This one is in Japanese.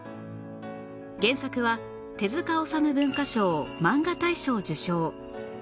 原作は手治虫文化賞マンガ大賞受賞